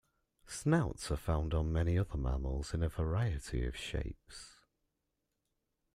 Snouts are found on many other mammals in a variety of shapes.